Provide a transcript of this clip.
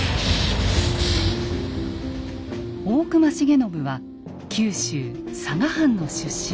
大隈重信は九州佐賀藩の出身。